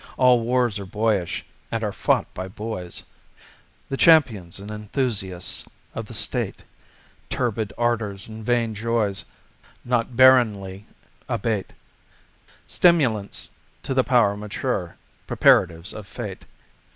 All wars are boyish, and are fought by boys, The champions and enthusiasts of the state: Turbid ardors and vain joys Not barrenly abate Stimulants to the power mature, Preparatives of fate.